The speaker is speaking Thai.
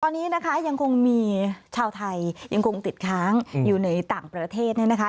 ตอนนี้นะคะยังคงมีชาวไทยยังคงติดค้างอยู่ในต่างประเทศเนี่ยนะคะ